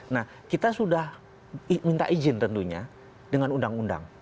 nah kita sudah minta izin tentunya dengan undang undang